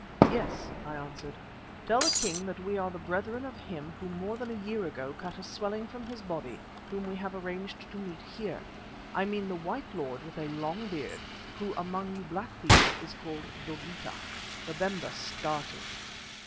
"Yes," I answered. "Tell the king that we are the brethren of him who more than a year ago cut a swelling from his body, whom we have arranged to meet here. I mean the white lord with a long beard who among you black people is called Dogeetah." Babemba started.